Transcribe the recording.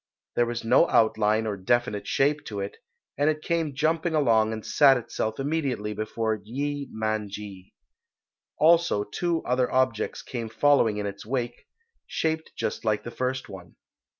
There was no outline or definite shape to it, and it came jumping along and sat itself immediately before Yee Man ji. Also two other objects came following in its wake, shaped just like the first one.